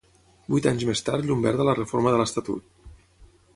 Vuit anys més tard llum verda a la reforma de l'estatut.